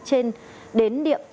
trên đến địa